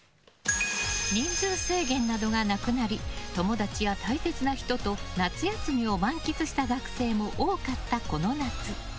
人数制限などがなくなり友達や大切な人と夏休みを満喫した学生も多かったこの夏。